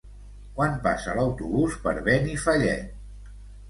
Quan passa l'autobús per Benifallet?